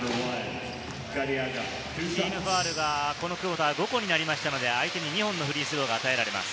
チームファウルがこのクオーター、５個になりましたので相手に２本のフリースローが与えられます。